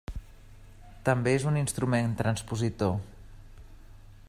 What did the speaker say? També és un instrument transpositor.